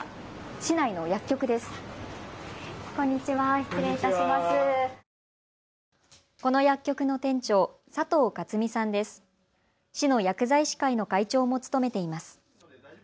市の薬剤師会の会長も務めています。